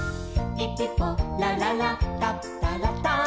「ピピポラララタプタラタン」